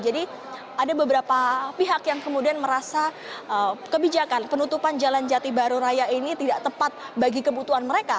jadi ada beberapa pihak yang kemudian merasa kebijakan penutupan jalan jati baru raya ini tidak tepat bagi kebutuhan mereka